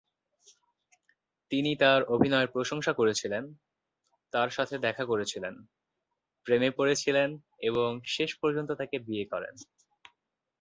তিনি তার অভিনয়ের প্রশংসা করেছিলেন, তাঁর সাথে দেখা করেছিলেন, প্রেমে পড়েছিলেন এবং শেষ পর্যন্ত তাকে বিয়ে করেন।